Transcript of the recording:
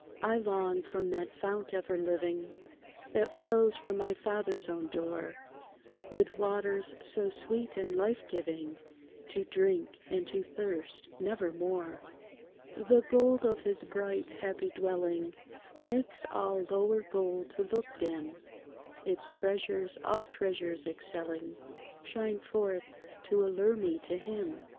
I long, from that fount ever living, That flows by my Father's own door, With waters so sweet and life giving, To drink, and to thirst never more. The gold of his bright, happy dwelling Makes all lower gold to look dim; Its treasures, all treasures excelling, Shine forth to allure me to Him.